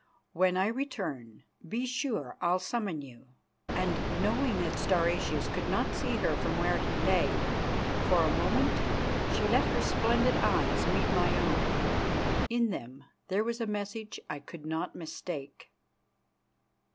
When I return, be sure I'll summon you," and, knowing that Stauracius could not see her from where he lay, for a moment she let her splendid eyes meet my own. In them there was a message I could not mistake.